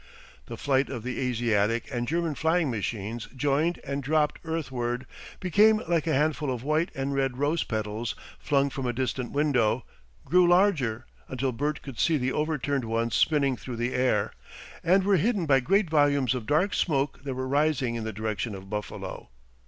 The flight of the Asiatic and German flying machines joined and dropped earthward, became like a handful of white and red rose petals flung from a distant window, grew larger, until Bert could see the overturned ones spinning through the air, and were hidden by great volumes of dark smoke that were rising in the direction of Buffalo.